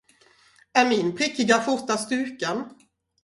Är min prickiga skjorta struken?